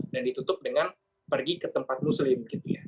dan ditutup dengan pergi ke tempat muslim gitu ya